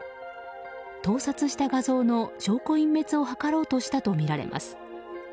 盗撮した画像の証拠隠滅を図ろうとしたとみられます。